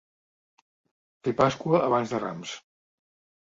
Fer Pasqua abans de Rams.